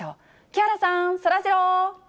木原さん、そらジロー。